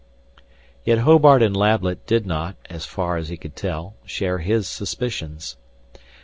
Yet Hobart and Lablet did not, as far as he could tell, share his suspicions.